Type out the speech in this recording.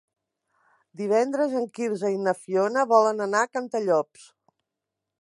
Divendres en Quirze i na Fiona volen anar a Cantallops.